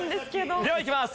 ではいきます。